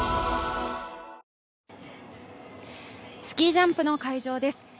スキージャンプの会場です。